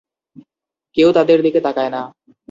কেউ তাদের দিকে তাকায় না।